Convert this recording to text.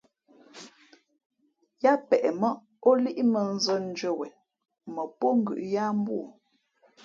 Yáá ncāk mά ó líꞌmᾱ nzᾱndʉ́ά wen, mα póngʉ̌ʼ yáá mbú o.